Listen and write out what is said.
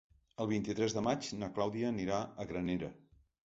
El vint-i-tres de maig na Clàudia anirà a Granera.